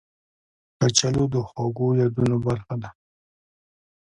کچالو د خوږو یادونو برخه ده